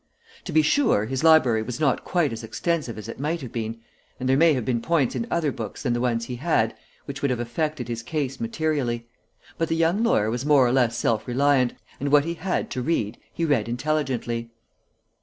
To be sure, his library was not quite as extensive as it might have been, and there may have been points in other books than the ones he had, which would have affected his case materially, but the young lawyer was more or less self reliant, and what he had to read he read intelligently.